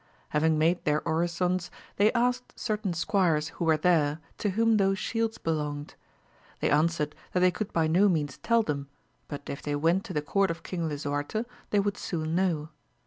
Having made their orisons they asked certain squires who were there to whom those shields belonged. They answered that they could by no means tell them, but if they went to the Court of King Lisuarte they would soon know.